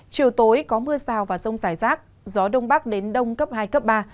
chiều tối có mưa rào và rông rải rác gió đông bắc đến đông cấp hai cấp ba